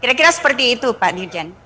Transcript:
kira kira seperti itu pak dirjen